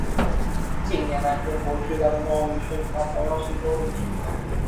近年来中国巨大的贸易顺差同样是一个问题。